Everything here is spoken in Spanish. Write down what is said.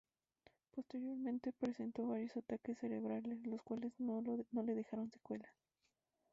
Posteriormente presentó varios ataques cerebrales, los cuales no le dejaron secuelas.